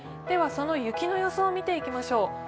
その雪の予想を見ていきましょう。